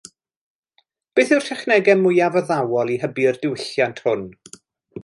Beth yw'r technegau mwyaf addawol i hybu'r diwylliant hwn?